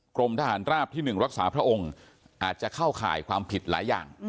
กรมทหารราบที่๑รักษาพระองค์อาจจะเข้าข่ายความผิดหลายอย่าง